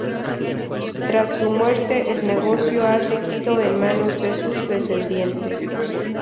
Tras su muerte, el negocio ha seguido en manos de sus descendientes.